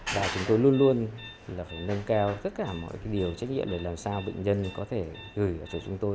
và chúng tôi luôn luôn nâng cao tất cả mọi điều trách nhiệm để làm sao bệnh nhân có thể gửi cho chúng tôi